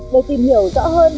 để tìm hiểu rõ hơn